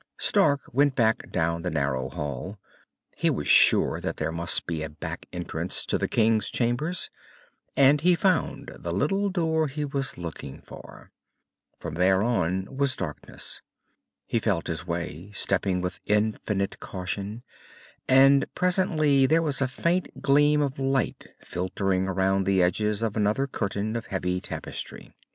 Stark went back down the narrow hall. He was sure that there must be a back entrance to the king's chambers, and he found the little door he was looking for. From there on was darkness. He felt his way, stepping with infinite caution, and presently there was a faint gleam of light filtering around the edges of another curtain of heavy tapestry.